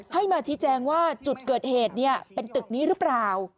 ให้มาชี้แจงว่าจุดเกิดเหตุเป็นตึกนี้หรือเปล่า